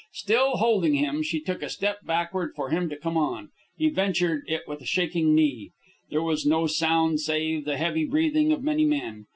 Still holding him, she took a step backward for him to come on. He ventured it with a shaking knee. There was no sound save the heavy breathing of many men.